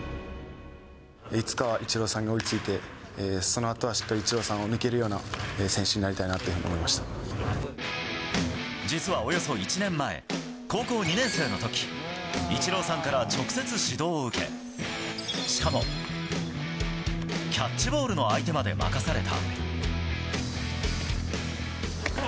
いつかはイチローさんに追いついて、そのあとはしっかりイチローさんを抜けるような選手になりたいな実はおよそ１年前、高校２年生のとき、イチローさんから直接指導を受け、しかも、キャッチボールの相手まで任された。